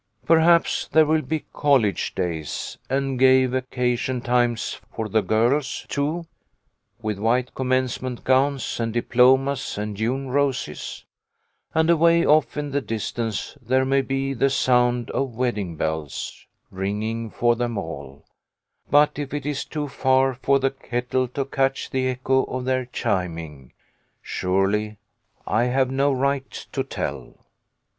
Perhaps there will be college days and gay vaca tion times for the girls, too, with white commence ment gowns and diplomas and June roses. And away off in the distance there may be the sound of wed ding bells ringing for them all, but if it is too far for 231 232 THE LITTLE COLONEL'S HOLIDAYS. the kettle to catch the echo of their chiming, surely / have no right to tell.